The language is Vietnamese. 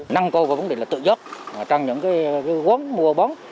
năng cơ của vấn đề là tự giết trăng những cái quấn mua bóng